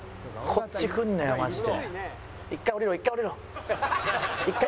こっち来んなよマジで。